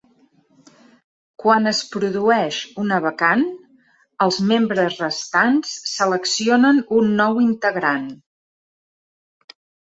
Quan es produeix una vacant, els membres restants seleccionen un nou integrant.